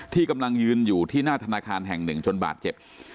กำลังยืนอยู่ที่หน้าธนาคารแห่งหนึ่งจนบาดเจ็บ